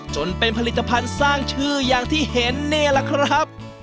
จนเป็นผลิตภัณฑ์สร้างชื่ออย่างที่เห็นนี่แหละครับ